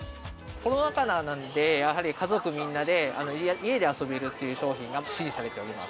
コロナ禍なので、やはり家族みんなで家で遊べるっていう商品が支持されております。